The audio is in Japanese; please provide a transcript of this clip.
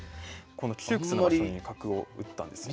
この窮屈な場所に角を打ったんですよね。